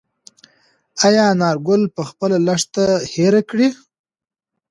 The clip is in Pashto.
ایا انارګل به خپله لښته هېره کړي؟